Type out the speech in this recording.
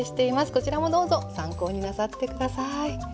こちらもどうぞ参考になさって下さい。